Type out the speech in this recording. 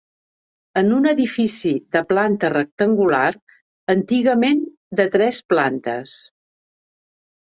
És un edifici de planta rectangular, antigament de tres plantes.